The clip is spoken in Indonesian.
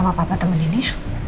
sama papa teman ini